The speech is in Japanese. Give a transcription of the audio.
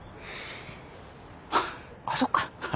あっそっか。